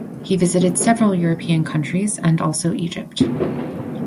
He visited several European countries and also Egypt.